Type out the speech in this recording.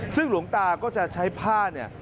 ซึ่งหลวงตาก็จะใช้ผ้าเนี่ย